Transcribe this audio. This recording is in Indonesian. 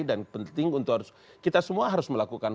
dan penting untuk kita semua harus melakukan